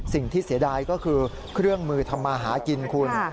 เสียดายก็คือเครื่องมือทำมาหากินคุณ